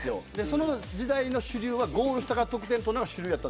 その時代の主流はゴール下の選手が得点取るのが主流でした。